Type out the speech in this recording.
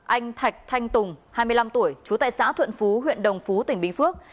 anh thạch thanh tùng hai mươi năm tuổi chú tại xã thuận phú huyện đồng phú tỉnh bình phước